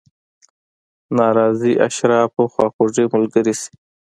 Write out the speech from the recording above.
ناراضي اشرافو خواخوږي ملګرې شي.